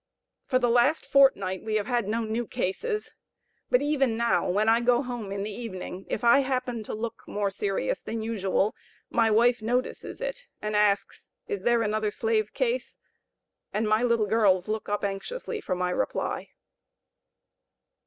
For the last fortnight we have had no new cases; but even now, when I go home in the evening, if I happen to look more serious than usual, my wife notices it, and asks: "Is there another slave case?" and my little girls look up anxiously for my reply.